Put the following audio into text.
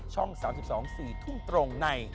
ช่อง๓๒๔ทุ่มตรงใน